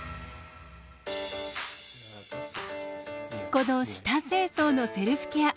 この舌清掃のセルフケア。